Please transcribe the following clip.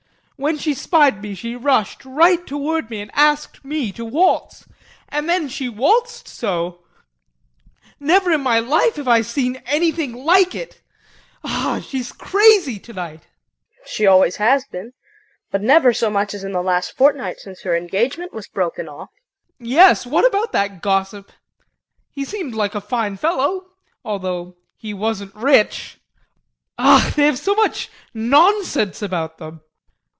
When she spied me, she rushed right toward me and asked me to waltz, and then she waltzed so never in my life have I seen anything like it! Ah she is crazy tonight. KRISTIN. She has always been. But never so much as in the last fortnight, since her engagement was broken off. JEAN. Yes, what about that gossip? He seemed like a fine fellow although he wasn't rich! Ach! they have so much nonsense about them.